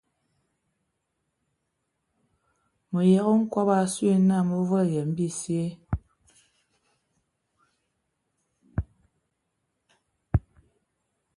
Mayəgə nkɔbɔ asu yi nə mə volo yen bisye.